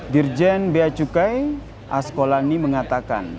dirjen beacukai askolani mengatakan